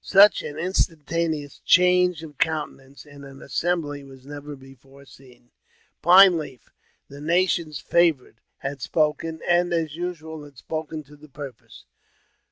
Such an instantaneous change of countenance in an assembly was never before seen. Pine Leaf, the nation's favourite, had spoken, and, as usual, had spoken to the purpose.